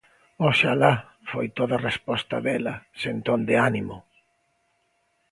–Oxalá –foi toda resposta dela, sen ton de ánimo.